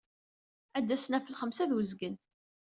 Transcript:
Ad d-asen ɣef lxemsa ed uzgen.